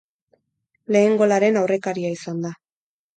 Lehen golaren aurrekaria izan da.